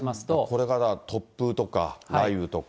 これがだから突風とか雷雨とか。